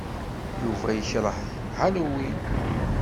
Yuba ikṛeh Halloween.